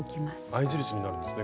合い印になるんですね